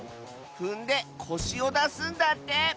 ふんでこしをだすんだって！